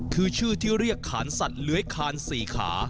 คือชื่อที่เรียกขานสัตว์เลื้อยคาน๔ขา